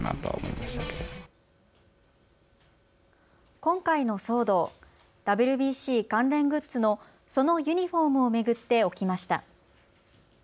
今回の騒動、ＷＢＣ関連グッズのそのユニフォームを巡って起きました。